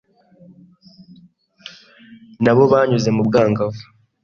Na bo banyuze mu bwangavu,